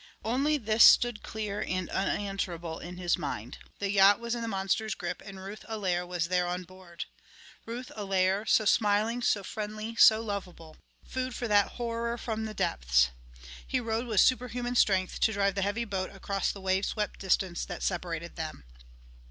Only this stood clear and unanswerable in his mind: The yacht was in the monster's grip, and Ruth Allaire was there on board. Ruth Allaire, so smiling, so friendly, so lovable! Food for that horror from the depths.... He rowed with super human strength to drive the heavy boat across the wave swept distance that separated them.